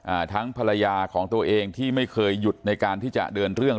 อ่าทั้งภรรยาของตัวเองที่ไม่เคยหยุดในการที่จะเดินเรื่อง